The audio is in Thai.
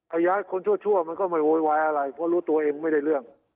ย้ายคนชั่วมันก็ไม่โวยวายอะไรเพราะรู้ตัวเองไม่ได้เรื่อง